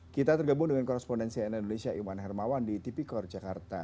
kita tergabung dengan korrespondensi nn indonesia iwan hermawan di tp core jakarta